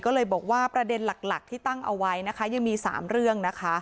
ก็เลยบอกว่าประเด็นหลักที่ตั้งเอาไว้ยังมีสามเรื่อง